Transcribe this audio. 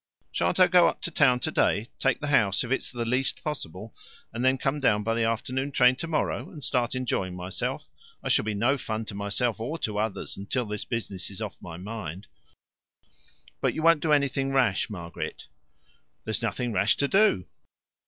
"Shan't I go up to town today, take the house if it's the least possible, and then come down by the afternoon train tomorrow, and start enjoying myself. I shall be no fun to myself or to others until this business is off my mind." "But you won't do anything rash, Margaret?" "There's nothing rash to do."